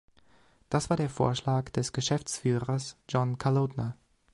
Das war der Vorschlag des Geschäftsführers John Kalodner.